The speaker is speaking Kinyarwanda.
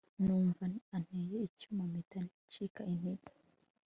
numva anteye icyuma mpita ncika intege